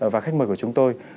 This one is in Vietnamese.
và khách mời của chúng tôi